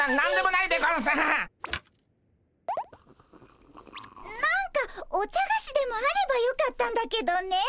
な何かお茶菓子でもあればよかったんだけどねえ。